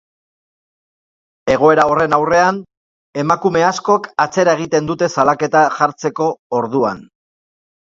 Egoera horren aurrean, emakume askok atzera egiten dute salaketa jartzeko orduan.